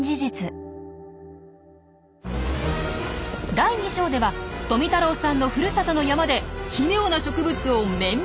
第２章では富太郎さんのふるさとの山で奇妙な植物を綿密に観察。